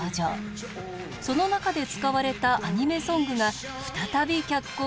その中で使われたアニメソングが再び脚光を浴びます。